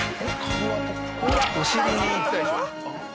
お尻にいったでしょ？